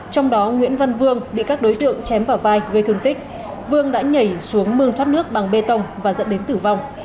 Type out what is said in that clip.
trong đó nguyễn văn vương bị các đối tượng chém vào vai gây thương tích vương đã nhảy xuống mương thoát nước bằng bê tông và dẫn đến tử vong